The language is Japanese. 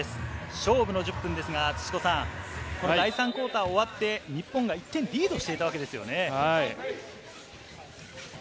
勝負の１０分ですが、土子さん、第３クオーター終わって日本が１点リードしていたわけですよね。